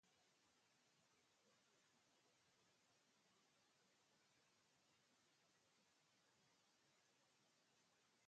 Cher, Sepultura, Nat King Cole, Herb Alpert and the Tijuana Brass y muchos otros.